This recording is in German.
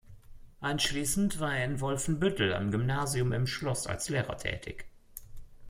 Anschließend war er in Wolfenbüttel am Gymnasium im Schloss als Lehrer tätig.